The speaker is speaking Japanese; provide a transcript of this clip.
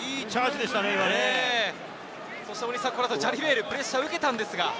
ジャリベール、プレッシャーを受けたんですが。